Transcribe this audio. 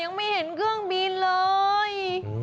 ยังไม่เห็นเครื่องบินเลย